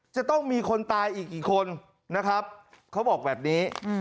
จะต้องมีคนตายอีกกี่คนนะครับเขาบอกแบบนี้